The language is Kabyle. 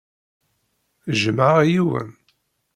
Jemɛeɣ yiwen.